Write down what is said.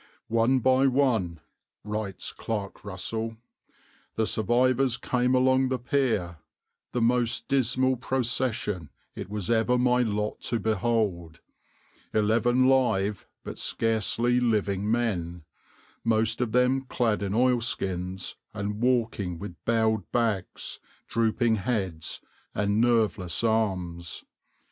\par "One by one," writes Clark Russell, "the survivors came along the pier, the most dismal procession it was ever my lot to behold, eleven live but scarcely living men, most of them clad in oilskins, and walking with bowed backs, drooping heads, and nerveless arms.